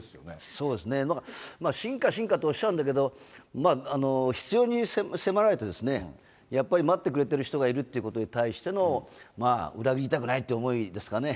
そうですね、進化進化とおっしゃるんだけど、必要に迫られてですね、やっぱり待ってくれてる人がいるということに対しての、裏切りたくないって思いですかね。